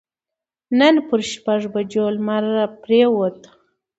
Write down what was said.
نن پر شپږ بجو لمر پرېوت.